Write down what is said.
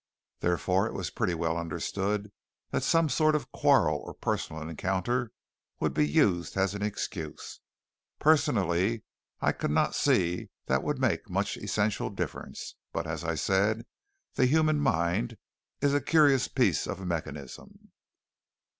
Therefore it was pretty well understood that some sort of a quarrel or personal encounter would be used as an excuse. Personally I could not see that that would make much essential difference; but, as I said, the human mind is a curious piece of mechanism.